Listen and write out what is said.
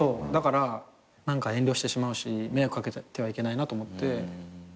だから何か遠慮してしまうし迷惑掛けてはいけないなと思って。